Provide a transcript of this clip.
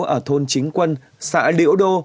ở thôn chính quân xã liễu đô